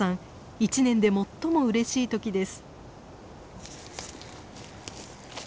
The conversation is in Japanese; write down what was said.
一年で最もうれしい時です。